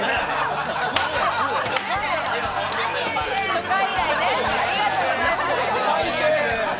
初回以来、ありがとうございます。